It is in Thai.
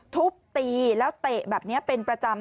ทุบตีแล้วเตะแบบนี้เป็นประจำ